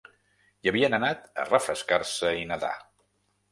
Hi havien anat a refrescar-se i nedar.